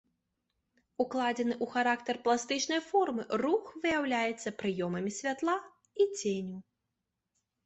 Укладзены ў характар пластычнай формы рух выяўляецца прыёмамі святла і ценю.